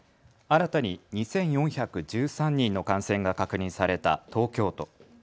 新たに２４１３人の感染が確認された東京都。